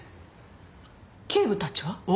警部たちは？